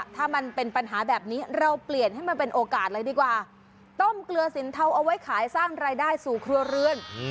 ถ้ามันเป็นปัญหาแบบนี้เราเปลี่ยนให้มันเป็นโอกาสเลยดีกว่าต้มเกลือสินเทาเอาไว้ขายสร้างรายได้สู่ครัวเรือน